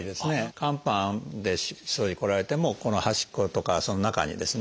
肝斑でそういうふうに来られてもこの端っことかその中にですね